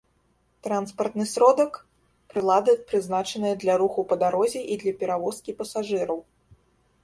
Транспартны сродак — прылада, прызначаная для руху па дарозе i для перавозкi пасажыраў